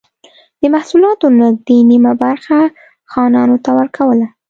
د محصولاتو نږدې نییمه برخه خانانو ته ورکوله.